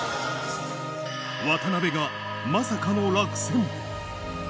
渡辺がまさかの落選。